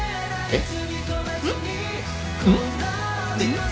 えっ？